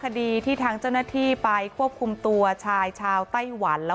คดีที่ทางเจ้าหน้าที่ไปควบคุมตัวชายชาวไต้หวันแล้ว